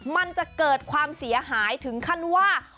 มันจะเกิดความเสียหายถึงขั้นว่า